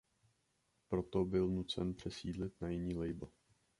Proto byl nucen přesídlit na jiný label.